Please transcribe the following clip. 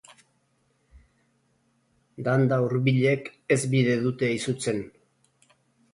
Danda hurbilek ez bide dute izutzen.